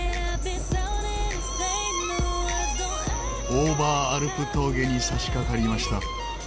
オーバーアルプ峠に差しかかりました。